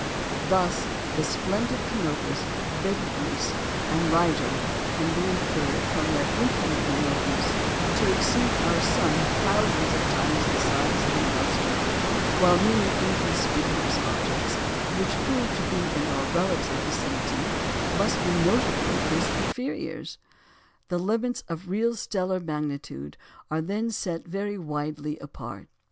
Thus, the splendid Canopus, Betelgeux, and Rigel can be inferred, from their indefinite remoteness, to exceed our sun thousands of times in size and lustre; while many inconspicuous objects, which prove to be in our relative vicinity, must be notably his inferiors. The limits of real stellar magnitude are then set very widely apart.